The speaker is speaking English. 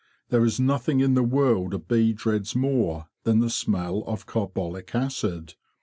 There is nothing in the world a bee dreads more than the smell of carbolic acid.